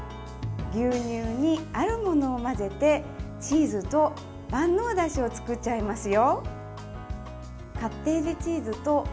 牛乳に、あるものを混ぜてチーズと万能だしを作っちゃいますよ。